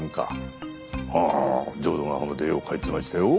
ああ浄土ヶ浜で絵を描いてましたよ。